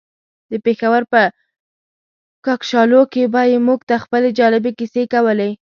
د پېښور په کاکشالو کې به يې موږ ته خپلې جالبې کيسې کولې.